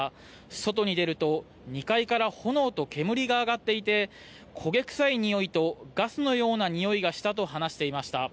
外に出ると２階から炎と煙が上がっていて焦げ臭いにおいとガスのようなにおいがしたと話していました。